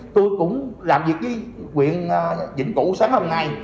tôi cũng làm việc với quyện dịch vụ sáng hôm nay